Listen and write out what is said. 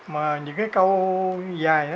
mà những cái câu dài